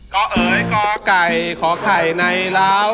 ก็เอ๋ยก่อไก่ขอไข่ในล้าว